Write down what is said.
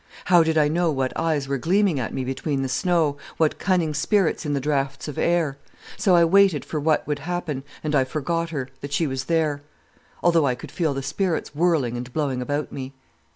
How did I know what eyes were gleaming at me between the snow, what cunning spirits in the draughts of air? So I waited for what would happen, and I forgot her, that she was there. Only I could feel the spirits whirling and blowing about me.